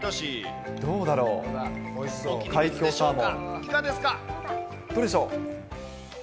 どうでしょう。